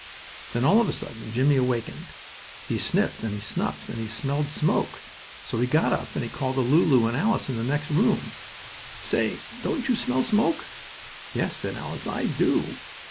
Then, all of a sudden Jimmie awakened. He sniffed and he snuffed, and he smelled smoke. So he got up and he called to Lulu and Alice in the next room: "Say, don't you smell smoke?" "Yes," said Alice, "I do."